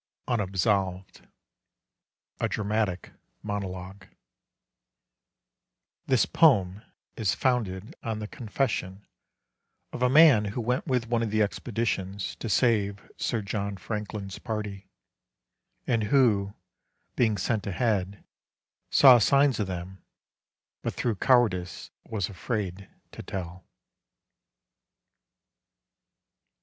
Unabsolved A DRAMATIC MONOLOGUE (This poem is founded on the confession of a man who went with one of the expeditions to save Sir John Franklin's party, and who, being sent ahead, saw signs of them, but, through cowardice, was afraid to tell.)